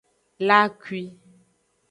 La akwi.